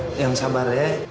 lu yang sabar ya